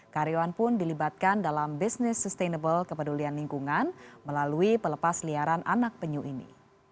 karyawan pun dilibatkan dalam bisnis sustainable kepedulian lingkungan melalui pelepas liaran anak penyu ini